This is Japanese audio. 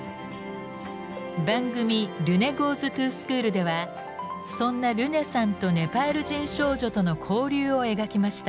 番組「ＲｅｎｅＧｏｅｓｔｏＳｃｈｏｏｌ」ではそんなルネさんとネパール人少女との交流を描きました。